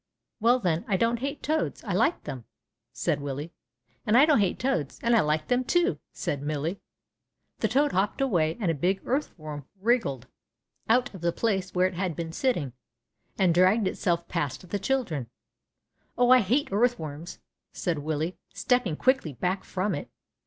^AVell, then, I don't hate toads, I like them," said Willie. And I don't hate toads, and I like them, too," said Millie. The toad hopped away, and a big earthworm wriggled 158 THE CHILDREN'S WONDER BOOK. out of the place where it had been sitting, and dragged itself past the children. Oh ! I hate earthworms/' said Willie, stepping quickly back from it.